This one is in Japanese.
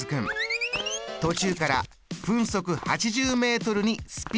途中から分速８０ｍにスピードアップ！